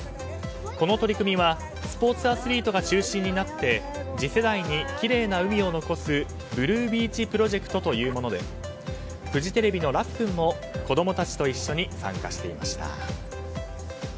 この取り組みはスポーツアスリートが中心となって次世代にきれいな海を残すブルービーチプロジェクトというものでフジテレビのラフくんも子供たちと一緒に参加していました。